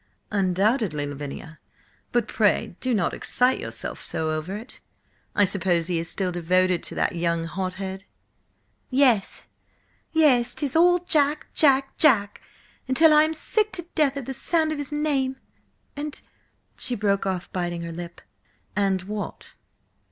"Undoubtedly, Lavinia, but pray do not excite yourself over it. I suppose he is still devoted to that young hothead?" "Yes, yes–'tis all Jack, Jack, Jack, until I am sick to death of the sound of his name–and—" She broke off, biting her lip. "And what?"